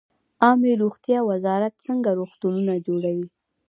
عامې روغتیا وزارت څنګه روغتونونه جوړوي؟